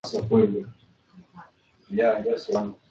Illustrated Handbook of Succulent Plants.